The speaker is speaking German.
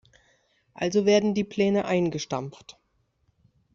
Also werden die Pläne eingestampft.